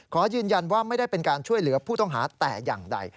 ขอยืนยันว่าไม่ได้เป็นการช่วยเหลือผู้ต้องหาแต่อย่างใด